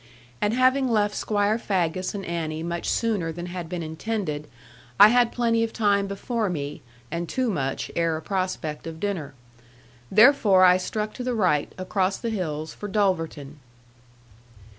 And having left Squire Faggus and Annie much sooner than had been intended, I had plenty of time before me, and too much, ere a prospect of dinner. Therefore I struck to the right, across the hills, for Dulverton.